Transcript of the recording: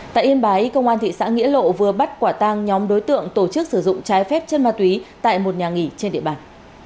tại yên bái công an thị xã nghĩa lộ vừa bắt quả tang nhóm đối tượng tổ chức sử dụng trái phép chân ma túy tại một nhà nghỉ trên địa bàn